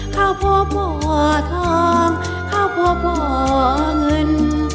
เขาพอพอทองเขาพอพอเงิน